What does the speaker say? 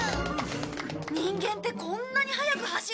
人間ってこんなに速く走れるんだ。